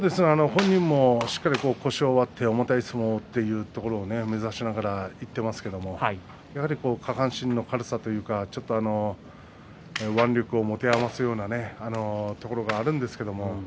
本人もしっかり腰を割って重たい相撲をというところを目指していっていますけれどもやはり下半身の軽さというか腕力を持て余すようなところがあるんですけれども。